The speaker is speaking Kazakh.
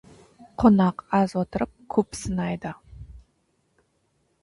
Қонақ аз отырып, көп сынайды.